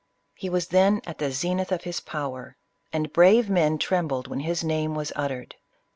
He was then at the zenith of hif power, and brave men trembled when his name was uttered.